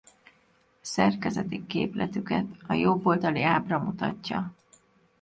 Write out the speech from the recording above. Szerkezeti képletüket a jobb oldali ábra mutatja.